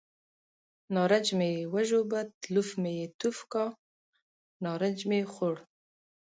نارنج مې وژبه، تلوف مې یې توف کاوه، نارنج مې خوړ.